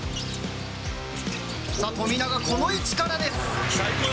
富永、この位置からです。